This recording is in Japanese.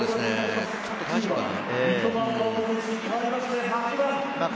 ちょっと大丈夫かな。